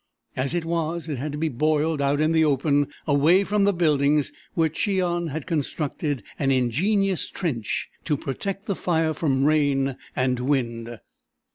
As it was, it had to be boiled out in the open, away from the buildings, where Cheon had constructed an ingenious trench to protect the fire from rain and wind.